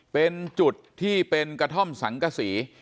เป็นจุดที่เป็นกระท่อมสังกษี